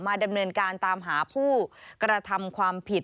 ดำเนินการตามหาผู้กระทำความผิด